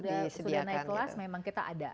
sudah naik kelas memang kita ada